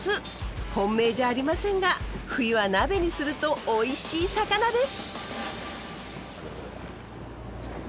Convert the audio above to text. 本命じゃありませんが冬は鍋にするとおいしい魚です。